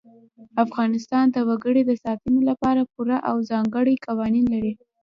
افغانستان د وګړي د ساتنې لپاره پوره او ځانګړي قوانین لري.